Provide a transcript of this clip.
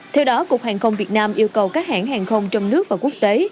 theo đó cục hàng không việt nam yêu cầu các hãng hàng không trong nước và quốc tế